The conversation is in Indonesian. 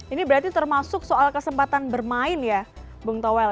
ini berarti termasuk soal kesempatan bermain ya bung towel